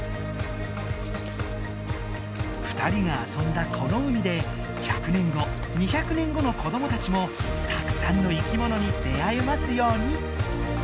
２人が遊んだこの海で１００年後２００年後の子どもたちもたくさんの生き物に出会えますように。